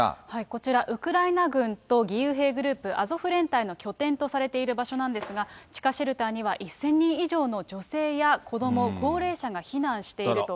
こちら、ウクライナ軍と義勇兵グループ、アゾフ連隊の拠点とされている場所なんですが、地下シェルターには１０００人以上の女性や子ども、高齢者が避難していると。